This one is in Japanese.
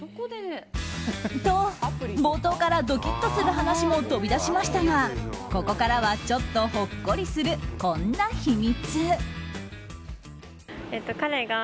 と、冒頭からドキッとする話も飛び出しましたがここからはちょっとほっこりするこんな秘密。